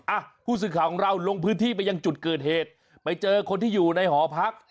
อ่ะผู้สื่อข่าวของเราลงพื้นที่ไปยังจุดเกิดเหตุไปเจอคนที่อยู่ในหอพัก